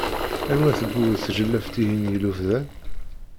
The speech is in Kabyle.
Anwa-t bu tjellabt-ihin yellufḍan?